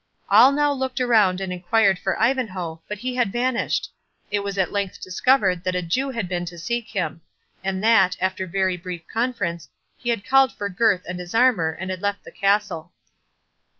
All now looked around and enquired for Ivanhoe, but he had vanished. It was at length discovered that a Jew had been to seek him; and that, after very brief conference, he had called for Gurth and his armour, and had left the castle.